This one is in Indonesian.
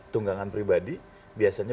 tunggangan pribadi biasanya